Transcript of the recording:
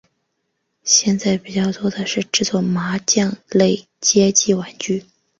现在比较多的是制作麻将类街机游戏。